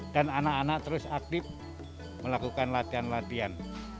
dan anak anak terus aktif melakukan latihan latihan